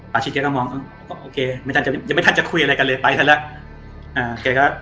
ป่าชิดแกก็มองโอเคยังไม่ทันจะคุยอะไรกันเลยไปทันแล้ว